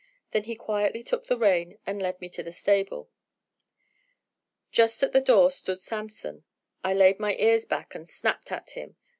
Then he quietly took the rein and led me to the stable; just at the door stood Samson. I laid my ears back and snapped at him.